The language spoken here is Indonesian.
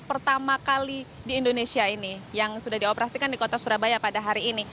pertama kali di indonesia ini yang sudah dioperasikan di kota surabaya pada hari ini